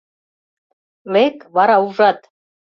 — Лек, вара ужат.